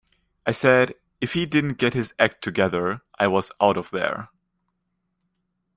I said if he didn't get his act together, I was out of there.